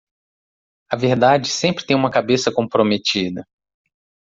A verdade sempre tem uma cabeça comprometida.